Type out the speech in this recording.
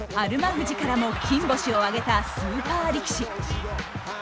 富士からも金星を挙げたスーパー力士。